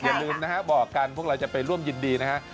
อย่าลืมนะฮะบอกกันพวกเราจะไปร่วมยินดีนะฮะ